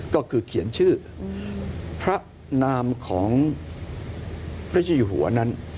ก็คือเขียนชื่อพระนามของพระเจ้าอยู่หัวนั้น